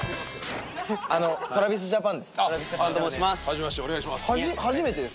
ＴｒａｖｉｓＪａｐａｎと申します。